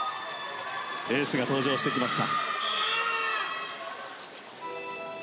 エースが登場してきました。